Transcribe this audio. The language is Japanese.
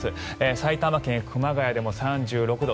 埼玉県熊谷でも３６度。